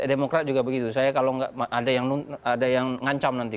demokrat juga begitu saya kalau ada yang ngancam nanti